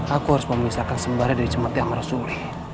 aku harus memisahkan sembara dari cemati amal rasul